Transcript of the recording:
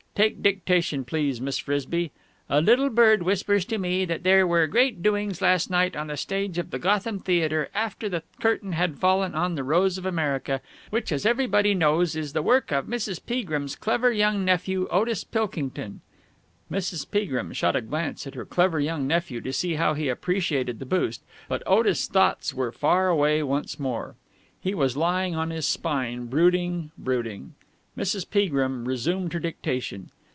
Take dictation, please, Miss Frisby. 'A little bird whispers to me that there were great doings last night on the stage of the Gotham Theatre after the curtain had fallen on "The Rose of America," which, as everybody knows, is the work of Mrs. Peagrim's clever young nephew, Otis Pilkington.'" Mrs. Peagrim shot a glance at her clever young nephew, to see how he appreciated the boost, but Otis' thoughts were far away once more. He was lying on his spine, brooding, brooding. Mrs. Peagrim resumed her dictation.